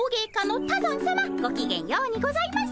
ごきげんようにございます。